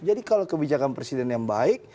jadi kalau kebijakan presiden yang baik